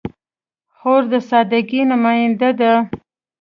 خور د سادګۍ نماینده ده.